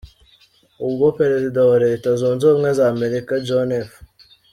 Ubwo perezida wa leta zunze ubumwe za Amerika John F.